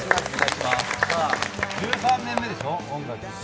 １３年目でしょ、「音楽の日」。